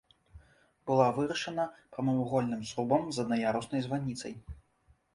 Была вырашана прамавугольным зрубам з аднаяруснай званіцай.